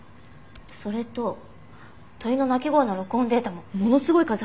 それと鳥の鳴き声の録音データもものすごい数入ってます。